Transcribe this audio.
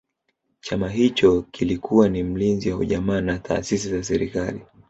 Chama hicho kilikuwa ni mlinzi wa ujamaa na taasisi za serikali